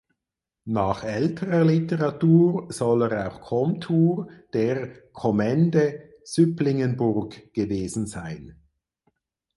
Nach älterer Literatur soll er auch Komtur der Kommende Süpplingenburg gewesen sein.